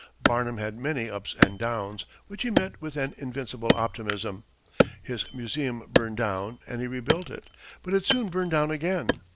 Barnum had many ups and downs, which he met with an invincible optimism. His museum burned down and he rebuilt it, but it soon burned down again.